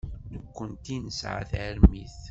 Nekkenti nesɛa tarmit.